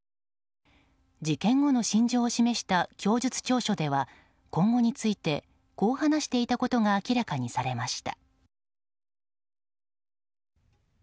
事件後の心情を示した供述調書では今後についてこう話していたことが明らかにされました。